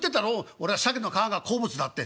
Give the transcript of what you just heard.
俺はシャケの皮が好物だって。